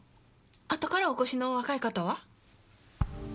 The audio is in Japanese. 後からお越しの若い方は？